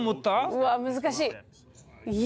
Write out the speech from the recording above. うわっ難しい。